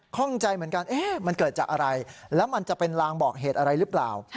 ข้องใจเหมือนกันมันเกิดจากอะไรแล้วมันจะเป็นลางบอกเหตุอะไรหรือเปล่า